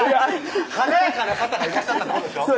華やかな方がいらっしゃったってことでしょ？